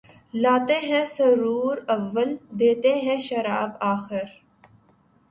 لاتے ہیں سرور اول دیتے ہیں شراب آخر